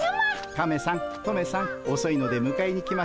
カメさんトメさんおそいのでむかえに来ましたよ。